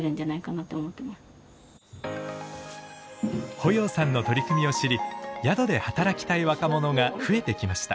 保要さんの取り組みを知り宿で働きたい若者が増えてきました。